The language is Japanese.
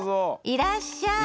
いらっしゃい。